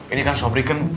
ini kan sobri kan